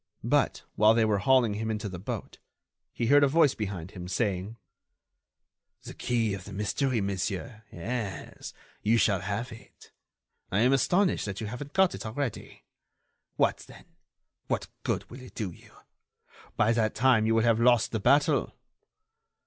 But, while they were hauling him into the boat, he heard a voice behind him, saying: "The key of the mystery, monsieur, yes, you shall have it. I am astonished that you haven't got it already. What then? What good will it do you? By that time you will have lost the battle...."